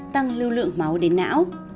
tăng lưu lượng máu đến não